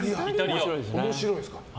面白いですね。